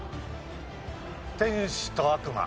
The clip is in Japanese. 『天使と悪魔』。